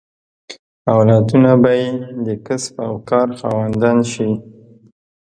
اولادونه به یې د کسب او کار خاوندان شي.